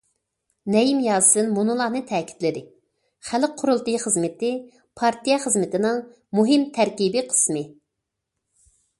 نەيىم ياسىن مۇنۇلارنى تەكىتلىدى: خەلق قۇرۇلتىيى خىزمىتى پارتىيە خىزمىتىنىڭ مۇھىم تەركىبىي قىسمى.